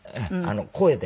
声で。